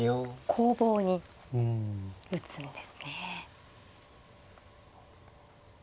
攻防に打つんですね。